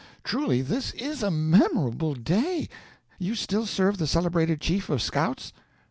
Truly this is a memorable day. You still serve the celebrated Chief of Scouts?"